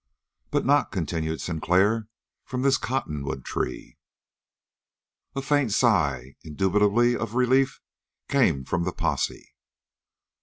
"But not," continued Sinclair, "from this cottonwood tree." A faint sigh, indubitably of relief, came from the posse.